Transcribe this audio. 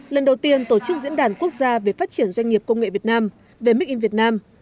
lần đầu tiên tổ chức diễn đàn quốc gia về phát triển doanh nghiệp công nghệ việt nam về make in việt nam